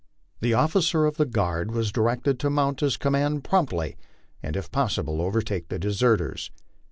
The officer of the guard was directed to mount his command promptly, and if possible overtake the deserters.